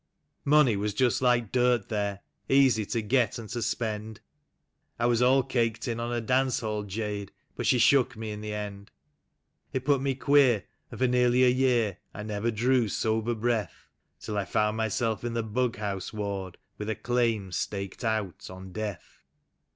" Money was just like dirt there, easy to get and to spend. I was all caked in on a dance hall jade, but she shook me in the end. It put me queer, and for near a year I never drew sober breath, Till I found myself in the bughouse ward with a claim staked out on death.